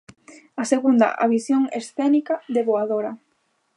A segunda, a visión escénica de Voadora.